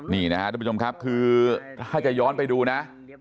นี่นะครับทุกผู้ชมครับคือถ้าจะย้อนไปดูนะ